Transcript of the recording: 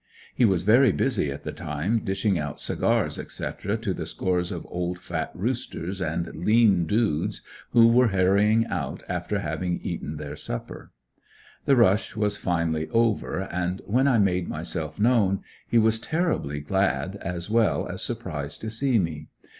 He was very busy at the time dishing out cigars, etc. to the scores of old fat roosters and lean dudes who were hurrying out after having eaten their supper. The rush was finally over and then I made myself known. He was terribly glad, as well as surprised to see me.